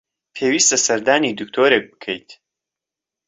پێویستە سەردانی دکتۆرێک بکەیت.